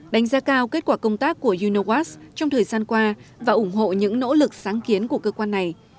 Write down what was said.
đánh giá cao kết quả công tác của unowas trong thời gian qua và ủng hộ những nỗ lực sáng kiến của cơ quan này